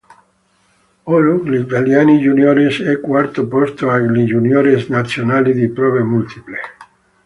Oro gli italiani juniores e quarto posto agli juniores nazionali di prove multiple.